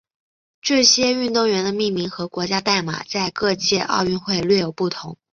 这些运动员的命名和国家代码在各届奥运会略有不同。